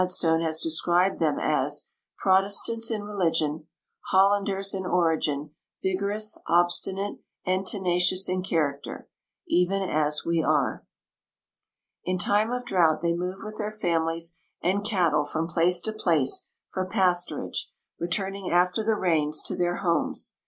stone has described them as " Protestants in religion, Hollanders in origin, vigorous, obstinate, and tenacious in character, even as we are." In time of drought they move with their families and cattle from place to place for pasturage, returning after the rains to their homes.